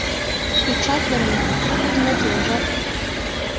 Печатлыме, лудын отыл, ужат...